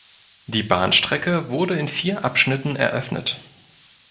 Die Bahnstrecke wurde in vier Abschnitten eröffnet.